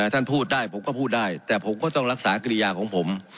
ท่านพูดได้ผมก็พูดได้แต่ผมก็ต้องรักษากิริยาของผม